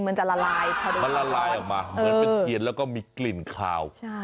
มันจะละลายพอดีมันละลายออกมาเหมือนเป็นเทียนแล้วก็มีกลิ่นคาว